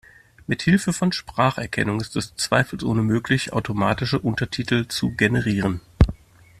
Mithilfe von Spracherkennung ist es zweifelsohne möglich, automatische Untertitel zu generieren.